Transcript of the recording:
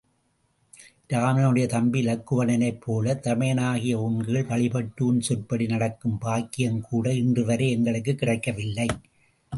இராமனுடை தம்பி இலக்குவணனைப் போலத் தமையனாகிய உன்கீழ் வழிபட்டு உன் சொற்படி நடக்கும் பாக்கியம்கூட இன்றுவரை எங்களுக்குக் கிடைக்கவில்லை.